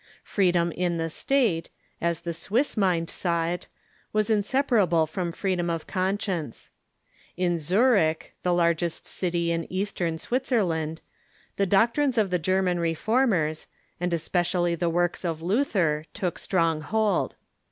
Freedom in the State, as the Swiss mind saw it, was inseparable from freedom of conscience. In Zurich, the largest city in East ern Switzerland, the doctrines of the German Reformers, and especially the works of Luther, took strong hold.